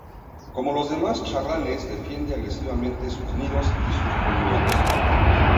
Como los demás charranes defiende agresivamente sus nidos y sus polluelos.